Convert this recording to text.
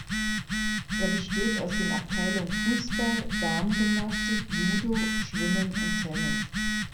Er besteht aus den Abteilungen Fußball, Damengymnastik, Judo, Schwimmen und Tennis.